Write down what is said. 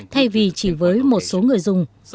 thay vì chỉ với một số người dùng